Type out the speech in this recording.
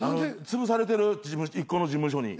つぶされてる１個の事務所に。